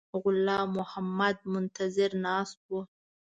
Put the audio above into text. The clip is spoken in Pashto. غلام محمد منتظر ناست وو.